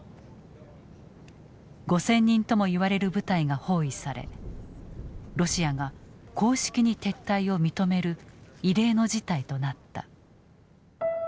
５，０００人ともいわれる部隊が包囲されロシアが公式に撤退を認める異例の事態となった。